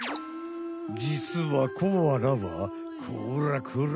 じつはコアラはこらこら